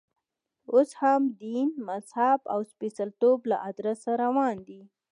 اوس هم دین، مذهب او سپېڅلتوب له ادرسه روان دی.